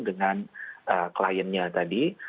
dengan kliennya tadi